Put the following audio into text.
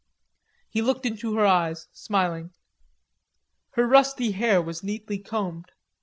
He looked into her eyes, smiling. Her rusty hair was neatly combed.